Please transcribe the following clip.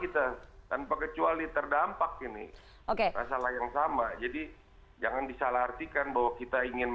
tetapi ada limitasi